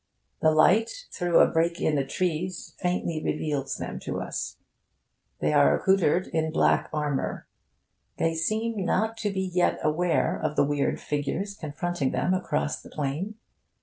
The light through a break in the trees faintly reveals them to us. They are accoutred in black armour. They seem not to be yet aware of the weird figures confronting them across the plain.